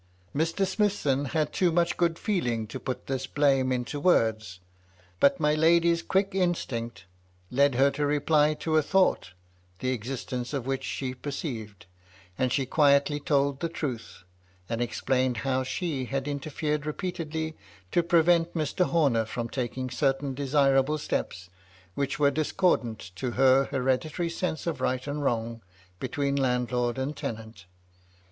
Mr. Smithson had too much good feeling to put this blame into words ; but my lady's quick instinct led her to reply to a thought, the existence of which she per ceived ; and she quietly told the truth, and explained how she had interfered repeatedly to prevent Mr. Homer from taking certain desirable steps, which were discordant to her hereditary sense of right and wrong between landlord and tenant.